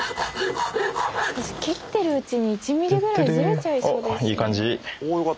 切ってるうちに１ミリぐらいずれちゃいそうですよね。